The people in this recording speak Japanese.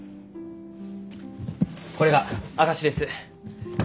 これが証しです。